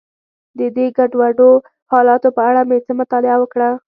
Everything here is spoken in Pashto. د دې ګډوډو حالاتو په اړه مې څه مطالعه وکړه.